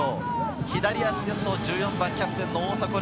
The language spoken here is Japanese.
左足ですと１４番・キャプテンの大迫塁。